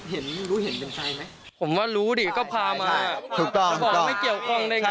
เห็นรู้เห็นเป็นใครไหมผมว่ารู้ดิก็พามาถูกต้องแล้วบอกว่าไม่เกี่ยวข้องได้ไง